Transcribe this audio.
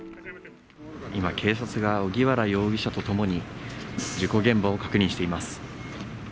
今、警察が荻原容疑者と共に、事故現場を確認しています。